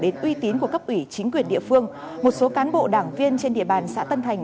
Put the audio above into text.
đến uy tín của cấp ủy chính quyền địa phương một số cán bộ đảng viên trên địa bàn xã tân thành